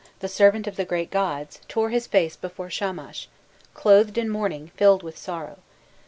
"Papsukal, the servant of the great gods, tore his face before Shamash clothed in mourning, filled with sorrow.